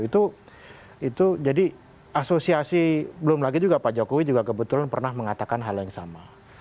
itu jadi asosiasi belum lagi juga pak jokowi juga kebetulan pernah mengatakan hal yang sama